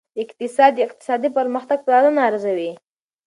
اقتصاد د اقتصادي پرمختګ پلانونه ارزوي.